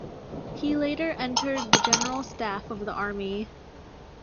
He later entered the General Staff of the Army.